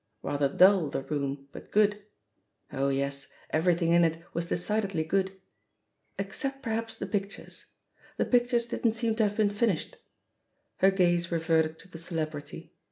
Rather dull, the room, but good; oh yes, everything in it was decidedly good. Ex cept, perhaps, the pictures: the pictures didn't seem to have been finished. Her gaze reverted to the celebrity.